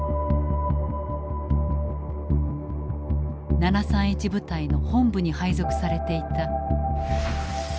７３１部隊の本部に配属されていた憲兵Ａ。